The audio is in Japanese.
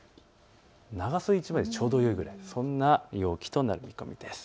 長袖１枚でちょうどいいくらい、そんな陽気となる見込みです。